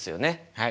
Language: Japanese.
はい。